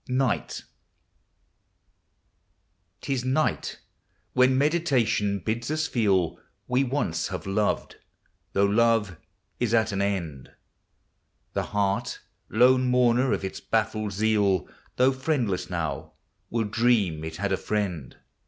'T is night, when Meditation bids ns feel We once have loved, though love is at an end: The heart, lone mourner of its baffled zeal. Though friendless now, will dream it had a friend.